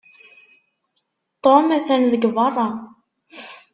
Tom atan deg beṛṛa.